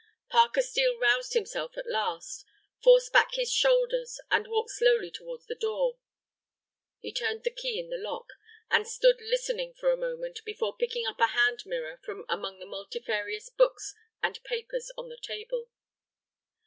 Parker Steel roused himself at last, forced back his shoulders, and walked slowly towards the door. He turned the key in the lock, and stood listening a moment before picking up a hand mirror from among the multifarious books and papers on the table.